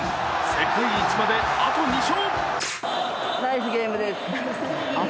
世界一まであと２勝。